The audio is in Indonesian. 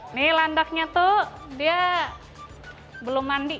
ini landaknya tuh dia belum mandi